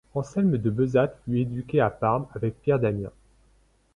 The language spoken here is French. Anselme de Besate fut éduqué à Parme avec Pierre Damien.